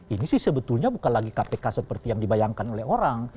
ini sih sebetulnya bukan lagi kpk seperti yang dibayangkan oleh orang